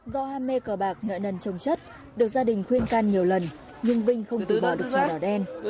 do ham mê cờ bạc nợ nần trồng chất được gia đình khuyên can nhiều lần nhưng vinh không từ bỏ được chỉ đỏ đen